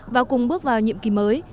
và cùng bước vào nhiệm kỳ mới